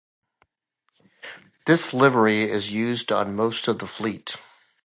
This livery is used on most of the fleet.